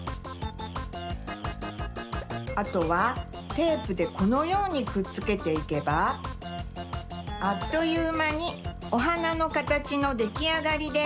あとはテープでこのようにくっつけていけばあっというまにおはなのかたちのできあがりです。